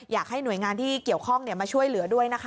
อยากให้หน่วยงานที่เกี่ยวข้องมาช่วยเหลือด้วยนะคะ